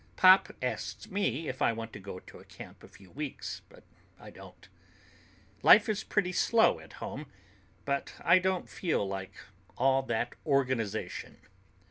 Pop asks me if I want to go to a camp a few weeks, but I don't. Life is pretty slow at home, but I don't feel like all that organization.